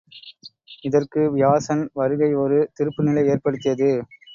இதற்கு வியாசன் வருகை ஒரு திருப்பு நிலை ஏற்படுத்தியது.